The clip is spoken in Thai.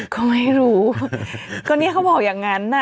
เขาไม่รู้ก็เนี่ยเขาบอกอย่างนั้นน่ะ